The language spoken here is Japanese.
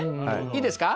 いいですか？